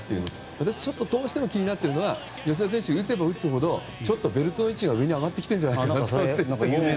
私どうしても気になってるのが吉田選手が打てば打つほどベルトの位置が上に上がってきてるなと。